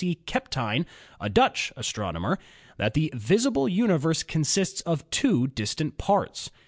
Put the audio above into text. C. Kapteyn, a Dutch astronomer, that the visible universe consists of two dis tant parts..